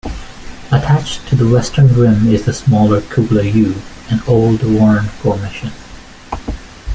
Attached to the western rim is the smaller Kugler U, an old, worn formation.